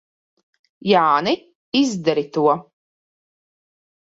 Jāni, izdari to!